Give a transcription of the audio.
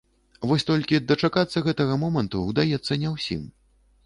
Вось толькі дачакацца гэтага моманту ўдаецца не ўсім.